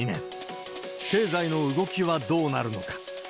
経済の動きはどうなるのか。